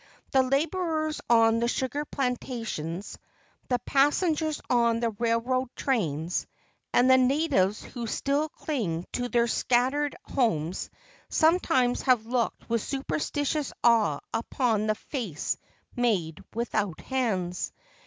The laborers on the sugar plan¬ tations, the passengers on the railroad trains, and the natives who still cling to their scattered homes sometimes have looked with superstitious awe upon the face made without hands.